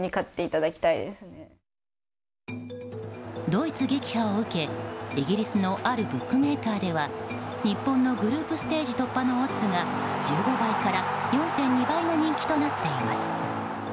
ドイツ撃破を受け、イギリスのあるブックメーカーでは日本のグループステージ突破のオッズが１５倍から４．２倍の人気となっています。